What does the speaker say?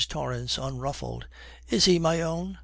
TORRANCE, unruffled, 'Is he, my own?